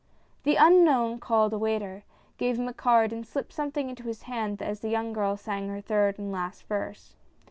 The unknown called a waiter, gave him a card and slipped something into his hand as the young girl sang her third and last verse.